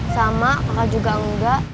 sama kakak juga enggak